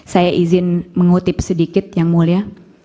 saya izin mengutip sedikit yang mulia